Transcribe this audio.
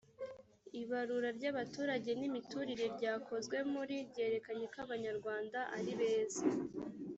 ibarura ry abaturage n imiturire ryakozwe muri ryerekanye ko abanyarwanda ari beza